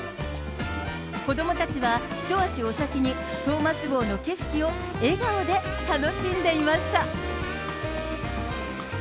子どもたちは一足お先に、トーマス号の景色を笑顔で楽しんでいました。